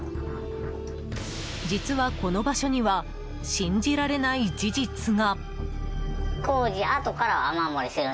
実は、この場所には信じられない事実が。